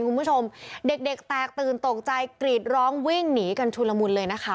คุณผู้ชมเด็กเด็กแตกตื่นตกใจกรีดร้องวิ่งหนีกันชุลมุนเลยนะคะ